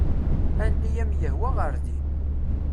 Anda i am-yehwa ɣer din.